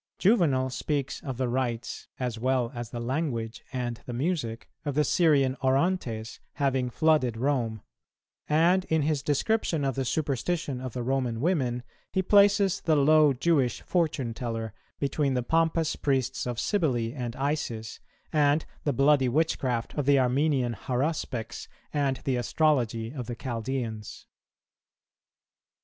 "[216:4] Juvenal speaks of the rites, as well as the language and the music, of the Syrian Orontes having flooded Rome; and, in his description of the superstition of the Roman women, he places the low Jewish fortune teller between the pompous priests of Cybele and Isis, and the bloody witchcraft of the Armenian haruspex and the astrology of the Chaldeans.